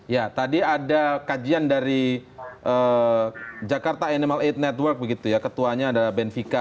ya tadi ada kajian dari jakarta animal aid network begitu ya ketuanya adalah benvika